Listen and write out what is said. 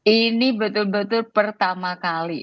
ini betul betul pertama kali